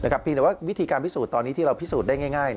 เพียงแต่ว่าวิธีการพิสูจน์ตอนนี้ที่เราพิสูจน์ได้ง่าย